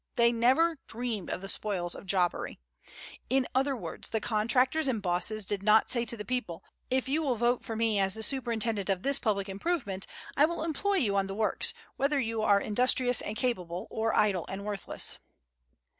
They never dreamed of the spoils of jobbery. In other words, the contractors and "bosses" did not say to the people, "If you will vote for me as the superintendent of this public improvement, I will employ you on the works, whether you are industrious and capable, or idle and worthless."